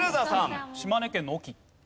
島根県の隠岐。